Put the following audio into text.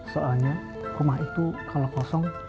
soalnya rumah itu kalau kosong